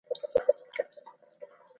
ما انځور صاحب ته ویلي و.